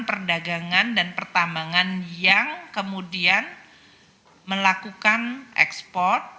perdagangan dan pertambangan yang kemudian melakukan ekspor